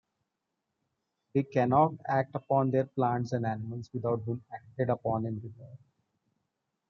They cannot act upon their plants and animals without being acted upon in return.